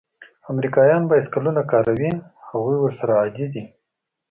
امریکایان بایسکلونه کاروي؟ هغوی ورسره عادي دي.